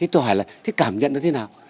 thế cảm nhận nó thế nào